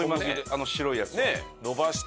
あの白いやつ。